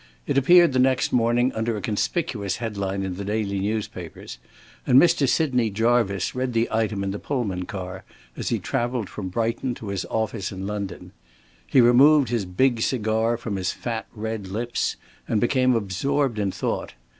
It appeared the next morning under a conspicuous head line in the daily newspapers, and Mr. Sidney Jarvice read the item in the Pullman car as he traveled from Brighton to his office in London. He removed his big cigar from his fat red lips, and became absorbed in thought.